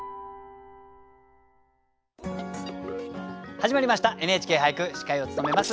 始まりました「ＮＨＫ俳句」司会を務めます